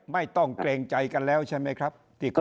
ไม่ต้องเกรงใจกันแล้วใช่ไหมครับ